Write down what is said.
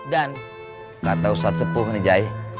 dan gak tau saat sepuh nih jai